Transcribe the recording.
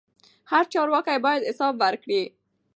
هر چارواکی باید حساب ورکړي